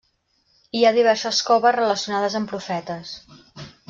Hi ha diverses coves relacionades amb profetes.